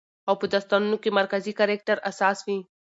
او په داستانونو کې مرکزي کرکټر اساس وي